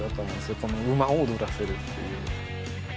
この馬を踊らせるっていう。